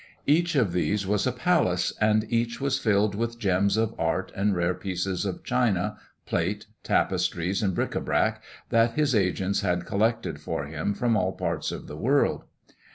Each of these was a palace, and each was filled with gems of art and rare pieces of china, plate, tapestries, and bric à brac that his agents had collected for him from all parts of the world.